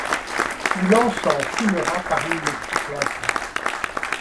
Où l’encens fumera parmi les cris plaintifs